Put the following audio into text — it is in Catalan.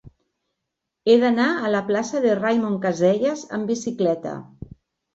He d'anar a la plaça de Raimon Casellas amb bicicleta.